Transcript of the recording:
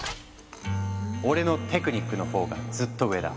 「俺のテクニックの方がずっと上だ。